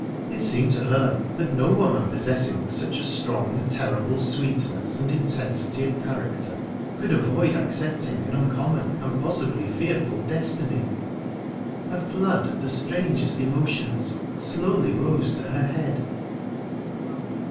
It seemed to her that no woman possessing such a strong, terrible sweetness and intensity of character could avoid accepting an uncommon, and possibly fearful, destiny. A flood of the strangest emotions slowly rose to her head...